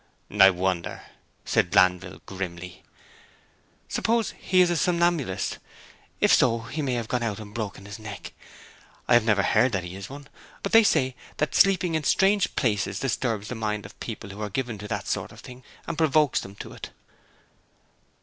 'I wonder,' said Glanville grimly. 'Suppose he is a somnambulist! If so, he may have gone out and broken his neck. I have never heard that he is one, but they say that sleeping in strange places disturbs the minds of people who are given to that sort of thing, and provokes them to it.'